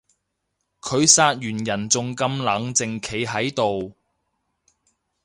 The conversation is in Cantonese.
佢殺完人仲咁冷靜企喺度